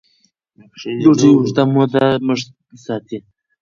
ډوډۍ اوږده موده موړ ساتي.